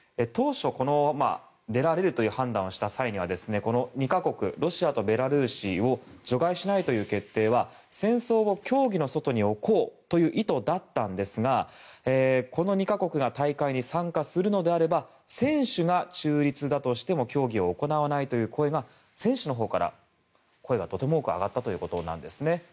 当初、出られるという判断をした際には２か国、ロシアとベラルーシを除外しないという決定は戦争を競技の外に置こうという意図だったんですがこの２か国が大会に参加するのであれば選手が中立だとしても競技を行わないという声が選手のほうから声がとても多く上がったそうなんですね。